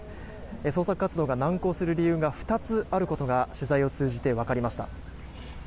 捜索活動が難航する理由が２つあることが取材を通じてわかりました。